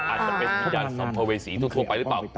อาจจะเป็นวิญญาณสัมภเวษีทั่วไปหรือเปล่า